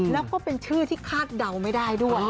แล้วก็เป็นชื่อที่คาดเดาไม่ได้ด้วย